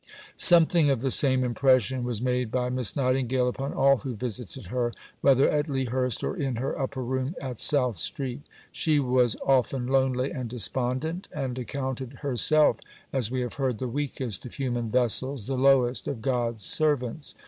Letter to "Aunt Mai," Feb. 5, 1880. Something of the same impression was made by Miss Nightingale upon all who visited her, whether at Lea Hurst or in her upper room at South Street. She was often lonely and despondent, and accounted herself, as we have heard, the weakest of human vessels, the lowest of God's servants.